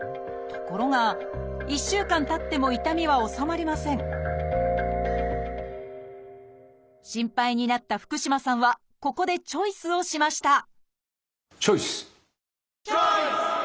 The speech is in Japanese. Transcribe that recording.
ところが１週間たっても痛みは治まりません心配になった福嶋さんはここでチョイスをしましたチョイス！